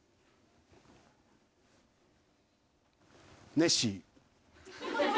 ネッシー。